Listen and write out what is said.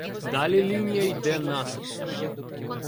Далі лінія йде насипом.